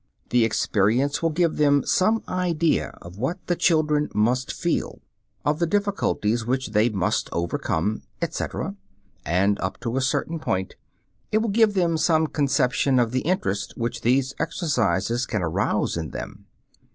The experience will give them some idea of what the children must feel, of the difficulties which they must overcome, etc., and, up to a certain point, it will give them some conception of the interest which these exercises can arouse in them.